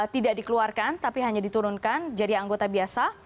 tidak dikeluarkan tapi hanya diturunkan jadi anggota biasa